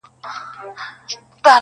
نسته له میرو سره کیسې د سوي میني!